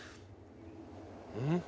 うん。